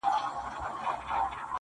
په دې حالاتو کي خو دا کيږي هغه ،نه کيږي~